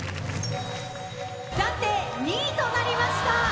暫定２位となりました。